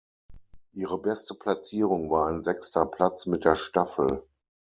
Ihre beste Platzierung war ein sechster Platz mit der Staffel.